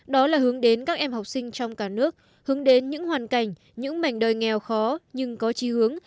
đó là hướng đến các em học sinh trong cả nước hướng đến những hoàn cảnh những mảnh đời nghèo khó nhưng có trí hướng